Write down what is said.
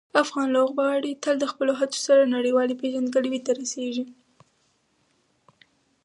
افغان لوبغاړي تل د خپلو هڅو سره نړیوالې پېژندګلوۍ ته رسېږي.